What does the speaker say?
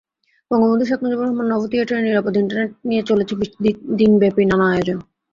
বঙ্গবন্ধু শেখ মুজিবুর রহমান নভোথিয়েটারে নিরাপদ ইন্টারনেট নিয়ে চলছে দিনব্যাপী নানা আয়োজন।